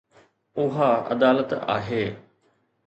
اها عدالت آهي